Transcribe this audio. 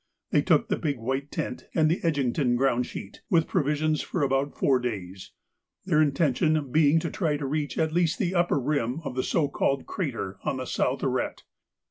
They took the big white tent and the Edgington ground sheet, with provisions for about four days, their intention being to try to reach at least the upper rim of the so called 'crater' on the south arête.